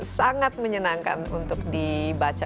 sangat menyenangkan untuk dibaca